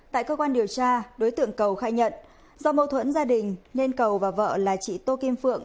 tại cơ quan điều tra đối tượng cầu khai nhận do mâu thuẫn gia đình nên cầu và vợ là chị tô kim phượng